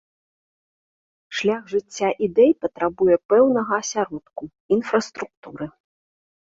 Шлях жыцця ідэй патрабуе пэўнага асяродку, інфраструктуры.